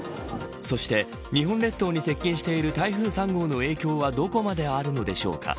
そして日本列島に接近している台風３号の影響はどこまであるのでしょうか。